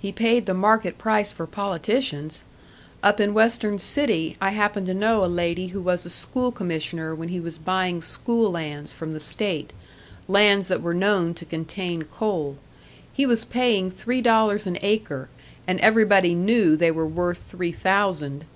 "He paid the market price for politicians. Up in Western City I happen to know a lady who was a school commissioner when he was buying school lands from the state lands that were known to contain coal. He was paying three dollars an acre, and everybody knew they were worth three thousand."